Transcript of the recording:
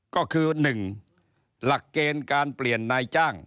ก็คือ๑หลักเกณฑ์การเปลี่ยนนายจ้าง